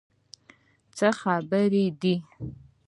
څه خبرې دي؟